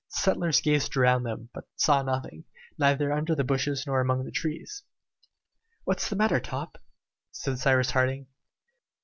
The settlers gazed around them, but saw nothing, neither under the bushes nor among the trees. "What is the matter, Top?" said Cyrus Harding.